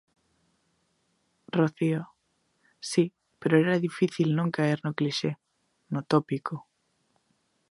Rocío: Si, pero era difícil non caer no clixé, no tópico.